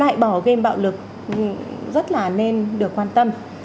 loại bỏ game bạo lực rất là nên được quan tâm